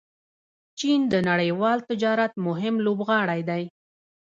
چین د نړیوال تجارت مهم لوبغاړی دی.